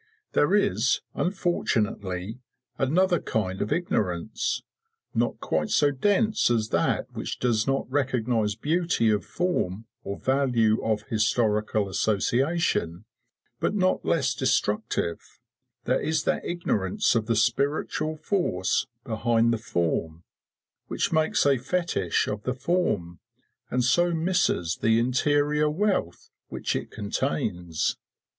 There is, unfortunately, another kind of ignorance, not quite so dense as that which does not recognise beauty of form or value of historical association, but not less destructive; there is that ignorance of the spiritual force behind the form which makes a fetish of the form, and so misses the interior wealth which it contains.